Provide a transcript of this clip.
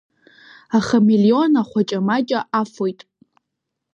Ахамелеон ахуаҷамаҷа афоит.